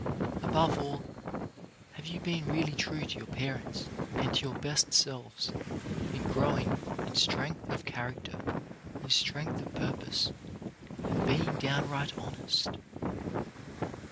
Above all, have have you been really true to your parents and to your best selves in growing in strength of character, in strength of purpose, in being downright honest